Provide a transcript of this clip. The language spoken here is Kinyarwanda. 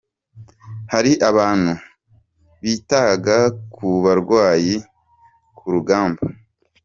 Hari abantu bitaga ku barwariye ku rugamba.